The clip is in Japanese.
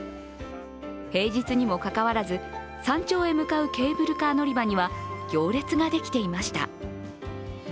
平日にもかかわらず、山頂へ向かうケーブルカー乗り場には行列ができていました。